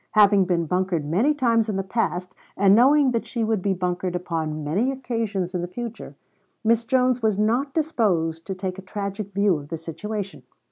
Having been bunkered many times in the past, and knowing that she would be bunkered upon many occasions in the future, Miss Jones was not disposed to take a tragic view of the situation.